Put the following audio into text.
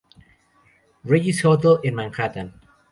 Regis Hotel en Manhattan.